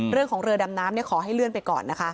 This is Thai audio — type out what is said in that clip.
เรื่องของเรือดำน้ำเนี่ยขอให้เลื่อนไปก่อนนะคะ